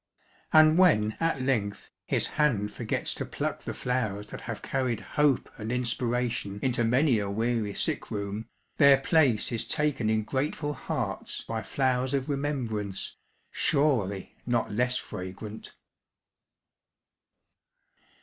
And when at length his hand forgets to pluck the flowers that have carried hope and inspiration into many a weary sick room, their place is taken in grateful hearts by flowers of remembrance, surely not less fragrant.